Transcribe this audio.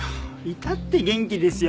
至って元気ですよ